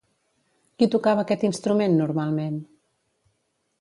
Qui tocava aquest instrument normalment?